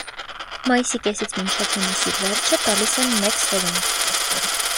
Մայիսի կեսից մինչև հունիսի վերջը տալիս են մեկ սերունդ։